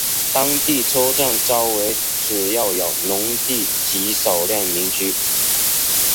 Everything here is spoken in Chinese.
当时车站周围主要有农地及少量民居。